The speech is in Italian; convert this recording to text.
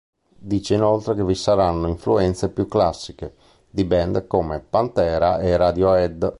Dice inoltre che vi saranno influenze più "classiche" di band come Pantera e Radiohead.